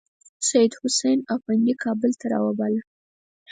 سیدحسن افندي کابل ته راوباله.